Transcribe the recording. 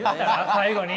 最後に。